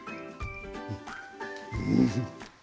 うん。